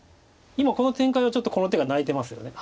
今この展開はちょっとこの手が泣いてますよね。